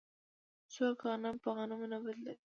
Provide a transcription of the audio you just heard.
څوک غنم په غنمو نه بدلوي.